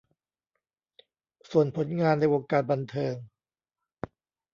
ส่วนผลงานในวงการบันเทิง